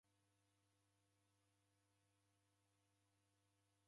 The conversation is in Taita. Mwana wodevadwa ni idirisha